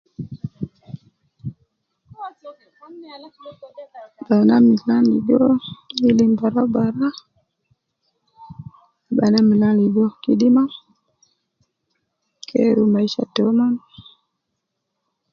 Kalam tan do, ilim barabara ,banaa milan ligo kidima ,geeru maisha taumon.